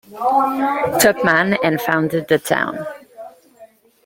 Tupman and founded the town.